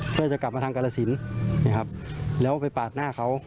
เพื่อจะกลับมาทางกรสินนะครับแล้วไปปาดหน้าเขา